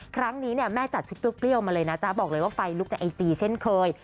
ครั้งนี้เนี่ยแม่จัดชุดเปรี้ยวมาเลยนะจ๊ะบอกเลยว่าไฟลุกในไอจีเช่นเคย